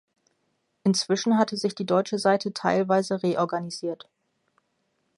Inzwischen hatte sich die deutsche Seite teilweise reorganisiert.